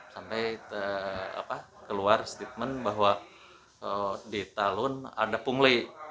sampai keluar statement bahwa di talun ada pungli